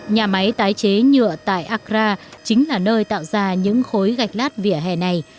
nhà máy tái chế nhựa tại akra chính là nơi tạo ra những khối gạch lát vỉa hè này